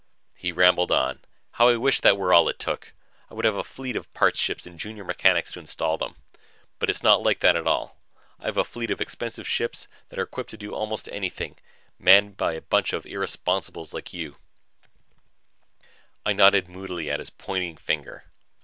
He rambled on. "How I wish that were all it took! I would have a fleet of parts ships and junior mechanics to install them. But its not like that at all. I have a fleet of expensive ships that are equipped to do almost anything manned by a bunch of irresponsibles like you." I nodded moodily at his pointing finger.